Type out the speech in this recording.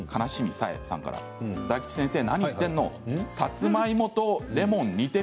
大吉先生、何を言っているの。